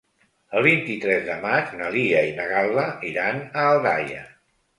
El vint-i-tres de maig na Lia i na Gal·la iran a Aldaia.